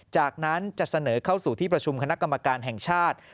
จากนั้นจะเสนอเข้าสู่ที่ประชุมคณะกรรมการแห่งชาติ